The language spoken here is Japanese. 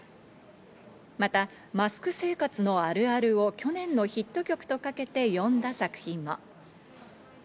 またマスク生活のあるあるを去年のヒット曲と掛けて詠んだ作品も。